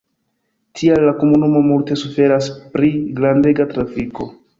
Tial la komunumo multe suferas pri grandega trafiko.